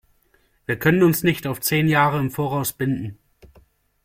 Wir können uns nicht auf zehn Jahre im Voraus binden.